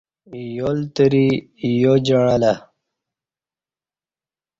یالتری یا جعݩلہ